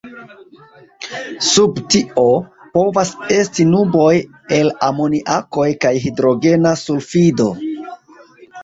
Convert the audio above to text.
Sub tio, povas esti nuboj el amoniako kaj hidrogena sulfido.